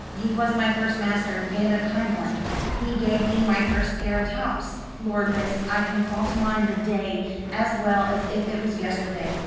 He was my first master, and a kind one. He gave me my first pair o' tops. Lor, miss, I can call to mind the day as well as if it was yesterday.